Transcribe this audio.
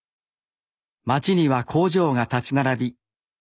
街には工場が立ち並び